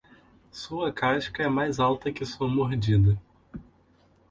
Sua casca é mais alta que sua mordida.